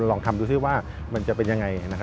ลองทำดูซิว่ามันจะเป็นยังไง